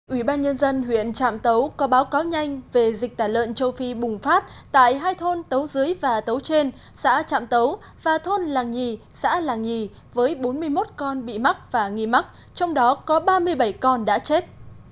ủy ban nhân dân huyện trạm tấu có báo cáo nhanh về dịch tả lợn châu phi bùng phát tại hai thôn tấu dưới và tấu trên xã trạm tấu và thôn làng nhì xã làng nhì với bốn mươi một con bị mắc và nghi mắc trong đó có ba mươi bảy con đã chết